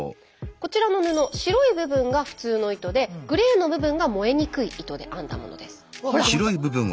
こちらの布白い部分が普通の糸でグレーの部分が燃えにくい糸で編んだものです。